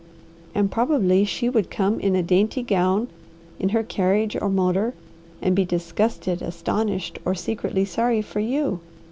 "And probably she would come in a dainty gown, in her carriage or motor, and be disgusted, astonished, and secretly sorry for you.